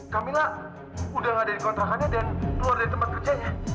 camillah udah nggak ada di kontrakannya dan keluar dari tempat kerjanya